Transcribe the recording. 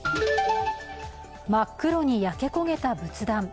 真っ黒に焼け焦げた仏壇。